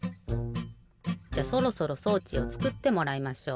じゃそろそろ装置をつくってもらいましょう。